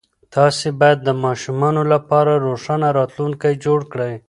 تاسې باید د ماشومانو لپاره روښانه راتلونکی جوړ کړئ.